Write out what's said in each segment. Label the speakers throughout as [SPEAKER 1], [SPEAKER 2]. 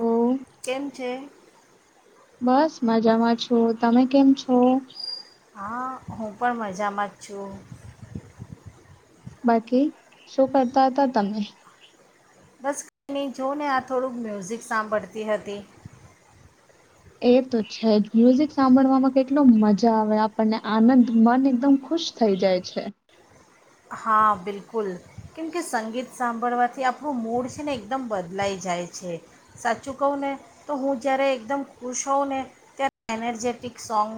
[SPEAKER 1] તો
[SPEAKER 2] કેમ છે?
[SPEAKER 1] બસ મજામાં છો તમે કેમ છો?
[SPEAKER 2] હા હું પણ મજામાં જ છું.
[SPEAKER 1] બાકી શું કરતા હતા તમે?
[SPEAKER 2] બસ કરીની જોને આ થોડુંક મ્યુઝિક સાંભળતી હતી.
[SPEAKER 1] એ તો છે જ મ્યુઝિક સાંભળવામાં કેટલો મજા આવે આપણને આનંદ મન એકદમ ખુશ થઈ જાય છે.
[SPEAKER 2] હા બિલકુલ કેમકે સંગીત સાંભળવાથી આપણું મૂડ છે ને એકદમ બદલાઈ જાય છે સાચું કહું ને તો હું જ્યારે એકદમ ખુશ હોઉં ને ત્યારે એનર્જેટિક સોંગ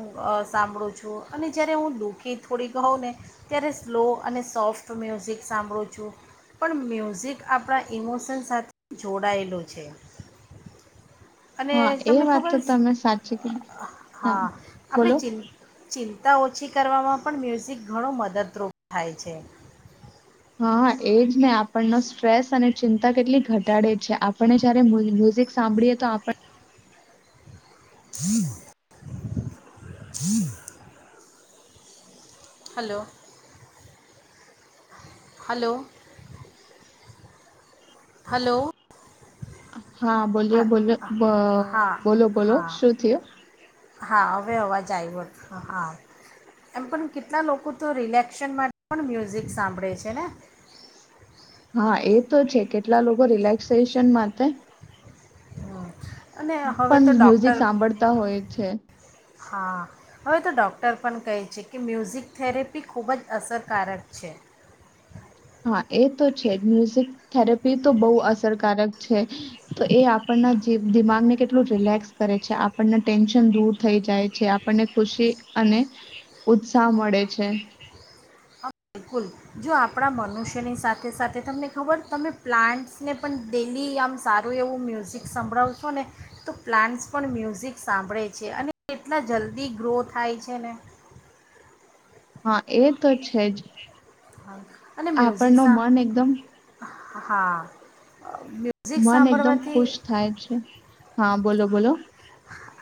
[SPEAKER 2] સાંભળું છું અને જ્યારે હું દુઃખી થોડીકહઉં ને ત્યારે સ્લો અને સોફ્ટ મ્યુઝિક સાંભળું છું પણ મ્યુઝિક આપણા ઇમોશન્સ સાથે જોડાયેલો છે. અને
[SPEAKER 1] હા એ
[SPEAKER 2] તમને
[SPEAKER 1] વાત તો
[SPEAKER 2] ખબર
[SPEAKER 1] તમે સાચી કીધી. હા
[SPEAKER 2] આપણે
[SPEAKER 1] બોલો.
[SPEAKER 2] ચિં ચિંતા ઓછી કરવામાં પણ મ્યુઝિક ઘણો મદદરૂપ થાય છે.
[SPEAKER 1] હા એજ ને આપણનો સ્ટ્રેસ અને ચિંતા કેટલી ઘટાડે છે આપણે જયારે મુજ મ્યુઝિક સાંભળીએ તો આપ
[SPEAKER 2] હલો. હલો. હલો.
[SPEAKER 1] હા બોલ્યો બોલો બ
[SPEAKER 2] હા
[SPEAKER 1] બોલો બોલો
[SPEAKER 2] હા
[SPEAKER 1] શું થિયું.
[SPEAKER 2] હા હવે અવાજ આવ્યો હતો હા એમ પણ કેટલા લોકો તો રિલેક્શન માટે પણ મ્યુઝિક સાંભળે છે ને.
[SPEAKER 1] હા એ તો છે કેટલા લોકો રિલેક્સેશન માટે
[SPEAKER 2] હમ. અને હવે તો
[SPEAKER 1] પણ મ્યુઝિક
[SPEAKER 2] ડૉક્ટર
[SPEAKER 1] સાંભળતા હોય છે.
[SPEAKER 2] હા હવે તો ડૉક્ટર પણ કહે છે કે મ્યુઝિક થેરેપી ખૂબ જ અસરકારક છે.
[SPEAKER 1] હા એ તો છે જ મ્યુઝિક થેરેપી તો બહુ અસરકારક છે તો એ આપણના જે દિમાગને કેટલું રિલેક્સ કરે છે આપણના ટેન્શન દૂર થઈ જાય છે આપણને ખુશી અને ઉત્સાહ મળે છે.
[SPEAKER 2] હ બિલકુલ જો આપણા મનુષ્યની સાથે સાથે તમને ખબર તમે પ્લાન્ટ્સને પણ ડેલી આમ સારું એવું મ્યુઝિક સાંભળાવશો ને તો પ્લાન્ટ્સ પણ મ્યુઝિક સાંભળે છે અને કેટલા જલ્દી ગ્રો થાય છે ને.
[SPEAKER 1] હા એ તો છે જ.
[SPEAKER 2] હા. અને મ્યુઝિક
[SPEAKER 1] આપણનો
[SPEAKER 2] સા
[SPEAKER 1] મન એકદમ
[SPEAKER 2] હા. મ્યુઝિક
[SPEAKER 1] મન એકદમ
[SPEAKER 2] સાંભળવાથી
[SPEAKER 1] ખુશ થાય છે. હા. બોલો, બોલો.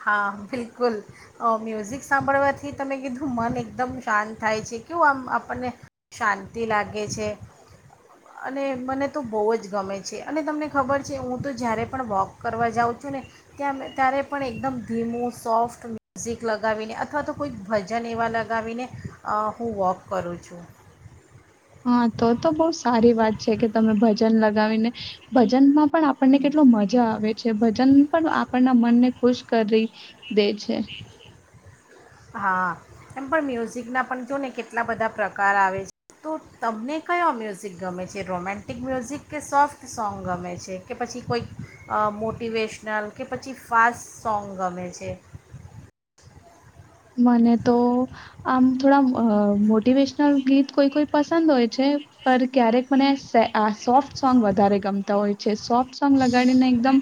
[SPEAKER 2] હા બિલકુલ મ્યુઝિક સાંભળવાથી તમે કીધું મન એકદમ શાંત થાય છે કેવું આમ આપણને શાંતિ લાગે છે. અને મને તો બહુ જ ગમે છે અને તમને ખબર છે હું તો જ્યારે પણ વોક કરવા જાઉં છું ને ત્યાં ત્યારે પણ એકદમ ધીમું સોફ્ટ મ્યુઝિક લગાવીને અથવા તો કોઈક ભજન એવા લગાવીને અહ હું વોક કરું છું.
[SPEAKER 1] હા, તો તો બઉુ સારી વાત છે કે તમે ભજન લગ ગાવીને ભજનમાં પણ આપણને કેટલો મજા આવે છે. ભજન પણ આપણના મનને ખુશ કરી દે છે.
[SPEAKER 2] હા, એમ પણ મ્યુઝિકના પણ જોઓ ને કેટલા બધા પ્રકાર આવે છે તો તમને કયો મ્યુઝિક ગમે છે, રોમેન્ટિક મ્યુઝિક કે સોફ્ટ સોંગ ગમે છે કે પછી કોઈ અહ મોટિવેશનલ કે પછી ફાસ્ટ સોંગ ગમે છે.
[SPEAKER 1] મને તો આમ થોડા અહ મોટિવેશનલ ગીત કોઈ કોઈ પસંદ હોય છે પર ક્યારેક મને સે આહ સોફ્ટ સોંગ વધારે ગમતા હોય છે. સોફ્ટ સોંગ લગાડીને એકદમ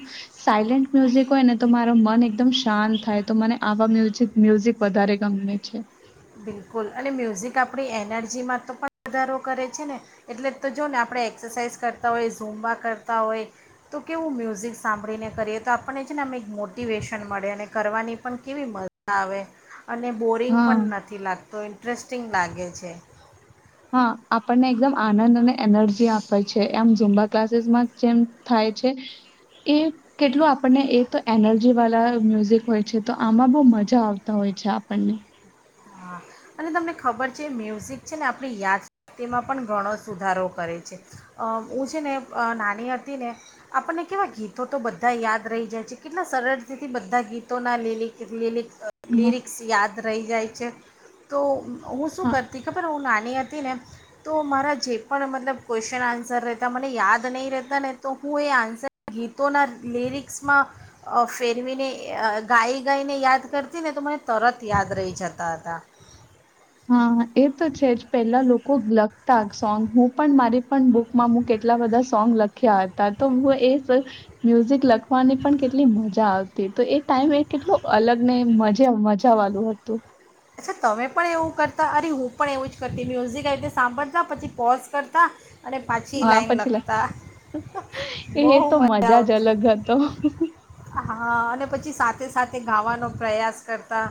[SPEAKER 1] સાયલેન્ટ મ્યુઝિક હોય ને તો મારો મન એકદમ શાંત થાય તો મને આવા મ્યુઝિક મ્યુઝિક વધારે ગમે છે.
[SPEAKER 2] બિલકુલ અને મ્યુઝિક આપણી એનર્જીમાં તો પણ વધારો કરે છે ને એટલે તો જો ને આપણે એક્સરસાઇઝ કરતા હોય ઝૂમબા કરતા હોય તો કેવું મ્યુઝિક સાંભળીને કરીએ તો આપણને છે ને એમ એક મોટિવેશન મળે અને કરવાની પણ કેવી મજા આવે. અને બોરિંગ
[SPEAKER 1] હા,
[SPEAKER 2] પણ ન તો ઇન્ટરેસ્ટિંગ લાગે છે.
[SPEAKER 1] હા, આપણને એકદમ આનંદ ને એનર્જી આપે છ છે. આમ ઝૂમબા ક્લાસીસમાં જેમ થાય છે એ કેટલું આપણને એ તો એનર્જી વાલા મ્યુઝિક હોય છે. તો આમાં બહુ મજા આવતા હોય છે આપણને.
[SPEAKER 2] હા અને તમને ખબર છે મ્યુઝિક છે ને આપણી યાદ તેમાં પણ ઘણો સુધારો કરે છે હું છે ને નાની હતી ને આપણને કેવા ગીતો તો બધા યાદ રહી જાય છે કેટલા સરળતાથી બધા ગીતોના લીલ લીલિક
[SPEAKER 1] હા.
[SPEAKER 2] લિરિક્સ યાદ રહી જાય છે. તો હું શું કરતી ખબર હું નાની હતી ને તો મારા જે પણ મતલબ ક્વેશ્ચન આન્સર રહેતા મને યાદ નહીં રહેતા ને તો હું એ આન્સર ગીતોના લિરિક્સમાં અ ફેરવીને ગાઈ ગાઈને યાદ કરતી ને તો મને તરત યાદ રહી જતા હતા. હતા.
[SPEAKER 1] હા એ તો છે જ પેલા લોકો લખતા સોંગ હું પણ મારી પણ બુકમાં મુ કેટલા બધા સોંગ લખ્યા હતા તો હું એ મ્યુઝિક લખવાની પણ કેટલી મજા આવતી તો એ ટાઈમ એ કેટલુ અલગ ને મ મજા વાળું હતું
[SPEAKER 2] અચ્છા તમે પણ એવું કરતા અરે હું પણ એવું જ કરતી મ્યુઝિક આવી રીતે સાંભળતા પછી પોઝ કરતા અને પાછી
[SPEAKER 1] હા
[SPEAKER 2] લાઈન
[SPEAKER 1] પછી લખ
[SPEAKER 2] લખતા
[SPEAKER 1] એ
[SPEAKER 2] બહુ
[SPEAKER 1] તો મજા જ
[SPEAKER 2] આવતી
[SPEAKER 1] અલગ હતો.
[SPEAKER 2] હા અને પછી સાથે-સાથે ગાવાનો પ્રયાસ કરતા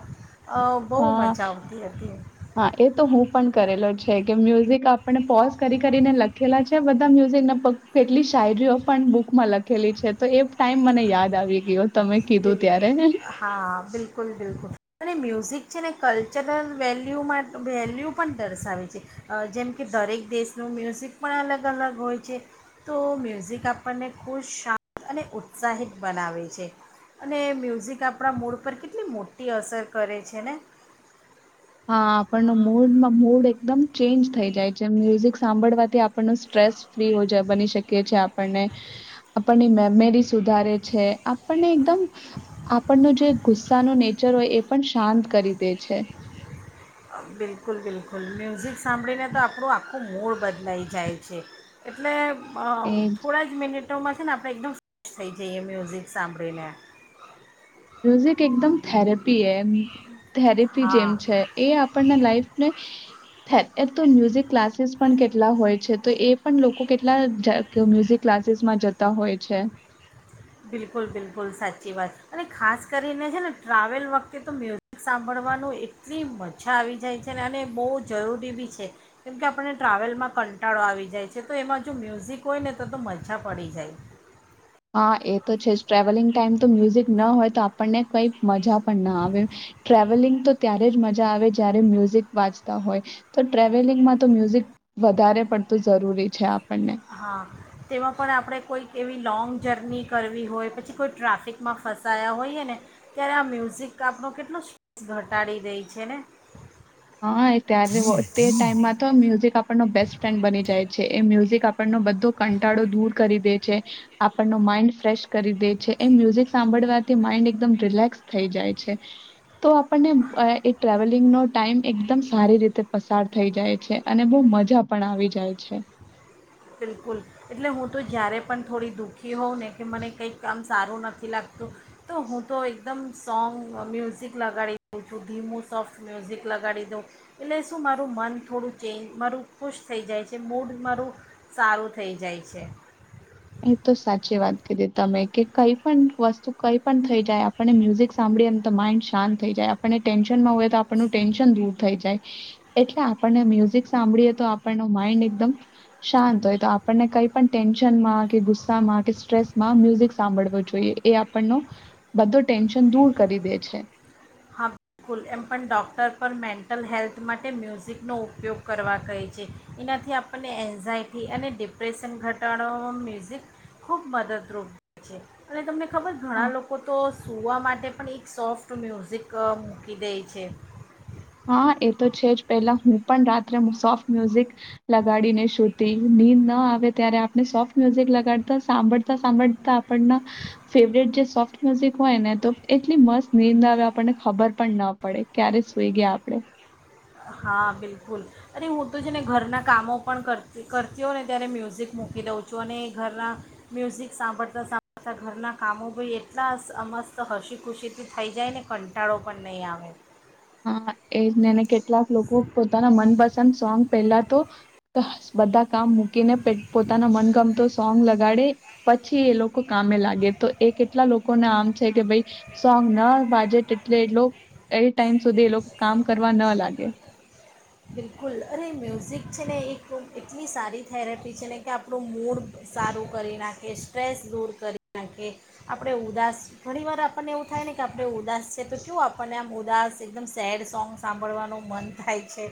[SPEAKER 2] અ બહુ
[SPEAKER 1] હા
[SPEAKER 2] મજા આવતી હતી
[SPEAKER 1] હા એ તો હું પણ કરેલો છે કે મ્યુઝિક આપ આપણે પોઝ કરી કરીને લખેલા છે બધા મ્યુઝિક ના કેટલી શાયરીઓ પણ બુકમાં લખેલી છે તો એ ટાઈમ મને યાદ આવી ગયો તમે કીધું
[SPEAKER 2] બિલકુલ
[SPEAKER 1] ત્યારે.
[SPEAKER 2] હા બિલકુલ બિલકુલ અને મ્યુઝિક છેને કલ્ચરલ વેલ્યુમાં વેલ્યુ પણ દર્શાવે છે. અ જેમ કે દરેક દેશનું મ્યુઝિક પણ અલગ-અલગ હોય છે તો મ્યુઝિક આપણને ખુશ શાંત અને ઉત્સાહિત બનાવે છે. અને મ્યુઝિક આપણા મૂડ પર કેટલી મોટી અસર કરે છે ને.
[SPEAKER 1] હા આપણનો મૂડ મૂડ એકદમ ચેન્જ થઈ જાય છે મ્યુઝિક સાંભળવાથી આપણ સ્ટ્રેસ ફ્રી બની શકી છે આપણને આપણની મેમેરી સુધારે છે આપણને એકદમ આપણનો જે ગુસ્સાનું નેચર હોય એ પણ શાંત કરી દે છે.
[SPEAKER 2] બિલકુલ-બિલકુલ મ્યુઝિક સાંભળીને તો આપણું આખું આખું મૂળ બદલાઈ જાય છે એટલે હ,
[SPEAKER 1] એ
[SPEAKER 2] થોડા જ મિનટ માં છે ને આપણે એકદમ ફ્રેશ થઈ જઈએ મ્યુઝિક સાંભળીને.
[SPEAKER 1] મ્યુઝ એક એકદમ થેરેપી હૈ. એમ થેરેપી
[SPEAKER 2] હા
[SPEAKER 1] જેમ છે, એ આપણના લાઈફને થે એ તો મ્યુઝિક ક્લાસીસ પણ કેટલા હોય છે, તો એ પણ લોકો કેટલા મ્યુઝિક ક્લાસીસમાં જતા હોય છે.
[SPEAKER 2] બિલકુલ બિલકુલ સાચી વાત, અને ખાસ કરીને છે ને ટ્રાવેલ વખતે તો મ્યુઝિક સાંભળવાનું એટલી મજા આવી જાય છે. ને અને બહુ જરૂરી બી છે કેમકે આપણને ટ્રાવેલમાં કંટાળો આવી જાય છે, તો એમાં જો મ્યુઝિક હોય ને તો તો મજા પડી જાય.
[SPEAKER 1] હા એ તો છે જ ટ્રાવલિંગ ટાઈમ તો મ્યુઝિક ના હોય તો આપણને કઈ મજા પણ ના આવે, ટ્રાવલિંગ તો ત્યારે જ મજા આવે જય્યારે મ્યુઝિક વાંચતા હોય તો ટ્રાવલિંગમાં તો મ્યુઝિક વધારે પડતું જરૂરી છે. આપણને.
[SPEAKER 2] હા. તેમાં પણ આપણે કોઈક એવી લોૉંગ જર્ની કરવી હોય, પછી કોઈ ટ્રાફિકમાં ફસાયા હોઈએ ને ત્યારે આ મ્યુઝિક આપણો કેટલો સ્ટ્રેસ ઘટાડી દે છે, ને
[SPEAKER 1] હા, ત્યારે તે ટાઈમમાં તો મ્યુઝિક આપણનો બેસ્ટ ફ્રેન્ડ બની જાય છે એ મ્યુઝિક આપ આપણ બધો કંટાળો દૂર કરી દે છે. આપણનો માઈન્ડ ફ્રેશ કરી દે છે, એ મ્યુઝિક સાંભળવાથી માઇન્ડ એકદમ રિલેક્સ થઈ જાય છે, તો આપણને એ ટ્રાવલિંગનો ટાઈમ એકદમ સારી રીતે પસાર થઈ જાય છે, અને બહ મજા પણ આવી જાય છે.
[SPEAKER 2] બિલકુલ એટલે હું તો જ્યારે પણ થોડી દુઃખી હોઉં ને કે મને કંઈક કામ સારું નથી લાગતું તો હું તો એકદમ સોંગ મ્યુઝિક લગાડી દઉં છું. ધીમું સોફ્ટ મ્યુઝિક લગાડી દઉં એટલે શું મારું મન થોડું, ચેન્જ મારું ખુશ થઈ જાય છે, મૂડ મારું સારું થઈ જાય છે.
[SPEAKER 1] એ તો સાચી વાત કીધી તમે કે કઈ પણ વસ્તુ કઈ પણ થઈ જાય આપણને મ્યુઝિક સાંભળીએને તો માઇન્ડ શાંત થઈ જાય. આપણને ટેન્શનમાં હોય તો આપણનું ટેન્શન દૂર થઈ જાય, એટલે આપણને મ્યુઝિક સાંભળીએ તો આપણનો માઇન્ડ એકદમ શાંત હોય, તો આપણને કઈ પણ ટેન્શનમાં કે ગુસ્સામાં કે સ્ટ્રેસમાં મ્યુઝિક સાંભળવો જોઈએ એ આપણનો બધો ટેન્શન દૂર કરી દે છે.
[SPEAKER 2] હા, બિલકુલ એમ પણ ડૉક્ટર પર મેન્ટલ હેલ્થ માટે મ્યુઝિકનો ઉપયોગ કરવા કહે છે, એનાથી આપણને એન્ઝાયટી અને ડિપ્રેશન ઘટાડવામાં મ્યુઝિક ખૂબ મદદરૂપ થાય છે, અને તમને ખબર
[SPEAKER 1] હ
[SPEAKER 2] ઘણા લોકો તો સુૂવા માટે પણ એક સોફ્ટ મ્યુઝિક ક મૂકી દે છે.
[SPEAKER 1] હા એ તો છે જ પેલા હું પણ રાત્રે સોફ્ટ મ્યુઝિક લગાડીને શુંતી નીંદ ના આવે ત્યારે આપણે સોફ્ટ મ્યુઝિક લગાડતા સાંભળતા સાંભળતા આપણના ફેવરેટ જે સોફ્ટ મ્યુઝિક હોય, ને તો એટલી મસ્ત નીંદ આવે આપણને ખબર પણ ના પડે ક્યારે જોઈ ગયા આપડે.
[SPEAKER 2] હા, બિલકુલ અરે હું તો છે ને ઘરના કામો પણ કરતી કરતી હો ને ત્યારે મ્યુઝિક મૂકી દઉં છું, અને ઘરના મ્યુઝિક સાંભળતા સાંભળતાં ઘરના કામો બ એટલા મસ્ત હસી ખુશીથી થઈ જાય ને કંટાળો પણ નહીં આવે.
[SPEAKER 1] હા એજ ને અને કેટ કેટલાક લોકો પોતાના મનપસંદ સન સોંગ પેલા તો બધા કામ મુક કીને પે પોતાના મનગમતો સોંગ લ ગાડે પછી એ લોકો કામે લાગે તો એ કેટલા લોકોને આમ છે કે ભઈ સોંગ ના વાજે તેટલે એટલો એ ટાઈમ સુધી એ લોકો કામ કરવા ન લાગે.
[SPEAKER 2] બિલકુલ અરે મ્યુઝિક છે ને એક એટલી સારી થેરેપી છે ને કે આપણું મૂડ સારું કરી નાખે, સ્ટ્રેસ દૂર કરી નાખે, આપણે ઉદાસ ઘણીવાર આપણને એવું થાય ને કે આપણે ઉદાસ છે તો કેવું આપણને આમ ઉદાસ એકદમ સેડ સોંગ સાંભળવાનું મન થાય છે.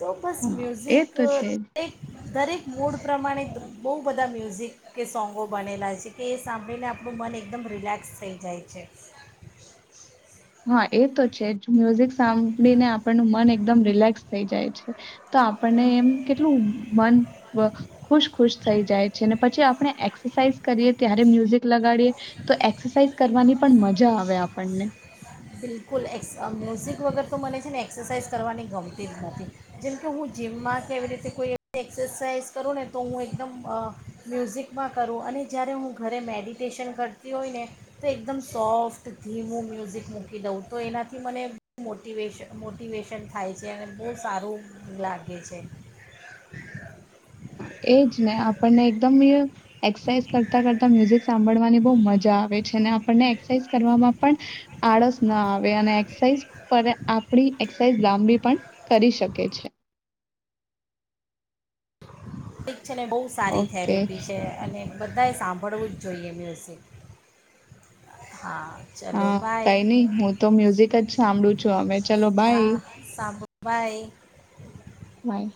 [SPEAKER 2] તો બસ
[SPEAKER 1] હા એ
[SPEAKER 2] મ્યુઝિક
[SPEAKER 1] તો છે જ
[SPEAKER 2] એક દરેક મૂડ પ્રમાણે બહુ બધા મ્યુઝિક કે સોંગો બનેલા છે કે એ સાંભળીને આપણું મન એકદમ રિલેક્સ થઈ જાય છે.
[SPEAKER 1] હા, એ તો છે જ. મ્યુઝિક સાંભળીને આપ પણું મન એકદમ રિલેક્સ થઈ જાય છે તો આપણને એમ કેટલું મન વ ખુશ ખુશ થઈ જાય છે અને પછી આપણે એક્સરસાઇઝ કરીએ ત્યારે મ્યુઝિક લગાડીએ તો એક્સરસાઇઝ કરવાની પણ મજા આવે આપણને.
[SPEAKER 2] બિલકુલ એક્સ મ્યુઝિક વગર તો મને છે ને એક્સરસાઇઝ કરવાની ગમતી જ નથી જેમકે હું જીમમાં કેવી રીતે કોઈ એક્સરસાઇઝ કરું ને તો હું એકદમ અ મ્યુઝિકમાં કરું અને જ્યારે હું ઘરે મેડિટેશન કરતી હોય ને તો એકદમ સોફ્ટ ધીમું મ્યુઝિક મૂકું. કી દઉં તો એનાથી મને મોટિવે મોટિવેશન થાય છે અને બહુ સારું લાગે છે.
[SPEAKER 1] હા, એજ ને આપણને એ એક્સસાઈઝ કરતા કરતા મ્યુઝિક સાંભળવાની બહુ મજા જા આવે છે આપને એક્સરસાઇઝ કરવામાં પણ આળસ ન આવે. એક્સાઇઝ પરે આપણી લાંબી પણ કરી શકે છે.
[SPEAKER 2] એક છે ને બહુ સારી
[SPEAKER 1] ઓકે
[SPEAKER 2] થેરેપી છે અને બધાએ સાંભળવું જ જોઈએ મ્યુઝિક. હા ચલો
[SPEAKER 1] હા
[SPEAKER 2] બાય
[SPEAKER 1] કઈ નહી હું તો મ્યુઝિક જ સાંભળું છું અમે ચલો બાય
[SPEAKER 2] હા સાંભળ બાય
[SPEAKER 1] બાય.